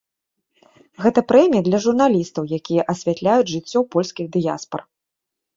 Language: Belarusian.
Гэта прэмія для журналістаў, якія асвятляюць жыццё польскіх дыяспар.